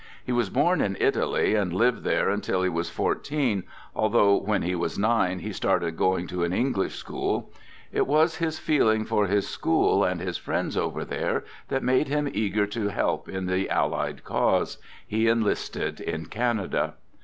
He was born in Italy and lived there until he was fourteen, although when he was nine he started go ing to an English school. It was his feeling for his school and his friends over there that made him eager to help in the Allied cause. He enlisted in Canada.